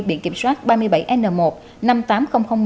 biển kiểm soát ba mươi bảy n một năm mươi tám nghìn năm